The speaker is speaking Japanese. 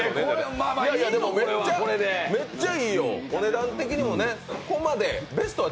めっちゃいいよ、お値段的にも。